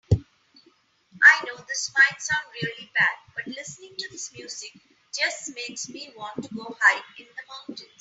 I know this might sound really bad, but listening to this music just makes me want to go hide in the mountains.